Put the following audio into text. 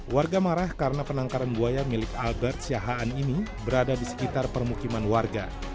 warga marah karena penangkaran buaya milik albert siahaan ini berada di sekitar permukiman warga